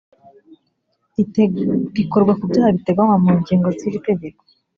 rikorwa ku byaha biteganywa mu ngingo z’iri tegeko